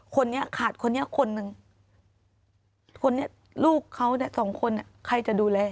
คนนี้ขาดคนนี้คนหนึ่งคนนี้ลูกเขาเนี่ยสองคนใครจะดูแล